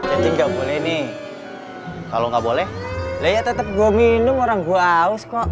enggak boleh nih kalau nggak boleh ya tetep gua minum orang gua aus kok